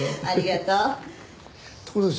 ありがとう。